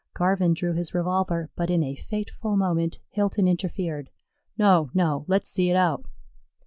Garvin drew his revolver, but in a fateful moment Hilton interfered: "No; no; let's see it out."